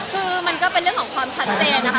คือมันก็เป็นเรื่องของความชัดเจนนะคะ